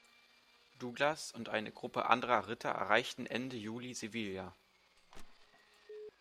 Douglas und eine Gruppe anderer Ritter erreichten Ende Juli Sevilla.